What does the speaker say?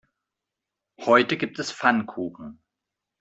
Heute gibt es Pfannkuchen.